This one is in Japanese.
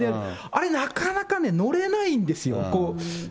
あれなかなかね、乗れないんですよ、こう。